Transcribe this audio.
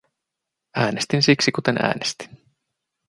Äänestin siksi kuten äänestin.